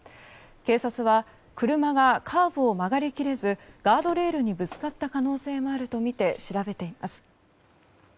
警察は車がカーブを曲がり切れずガードレールにぶつかった可能性もあるとみて調べています。